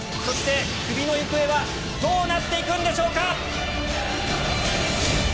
そしてクビの行方はどうなって行くんでしょうか？